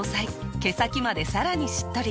毛先までさらにしっとり。